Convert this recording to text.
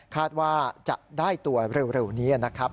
คาดว่าจะได้ตัวเร็วนี้นะครับ